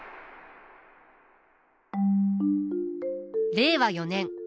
令和４年。